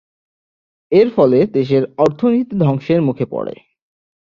এর ফলে দেশের অর্থনীতি ধ্বংসের মুখে পড়ে।